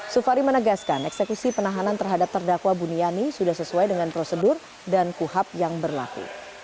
sufari menegaskan eksekusi penahanan terhadap terdakwa buniani sudah sesuai dengan prosedur dan kuhab yang berlaku